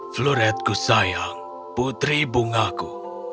floretku sayang putri bungaku